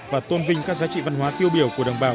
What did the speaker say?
và tôn vinh các giá trị văn hóa tiêu biểu của đồng bào